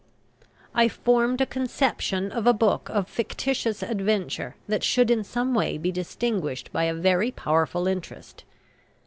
I formed a conception of a book of fictitious adventure that should in some way be distinguished by a very powerful interest.